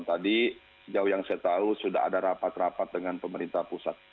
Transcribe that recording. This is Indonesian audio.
tadi sejauh yang saya tahu sudah ada rapat rapat dengan pemerintah pusat